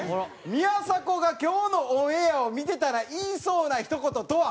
宮迫が今日のオンエアを見てたら言いそうな一言とは？